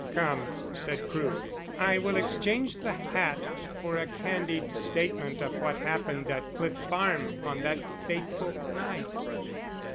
"Come," said Crewe, "I will exchange the hat for a candid statement of what happened at Cliff Farm on that fateful night."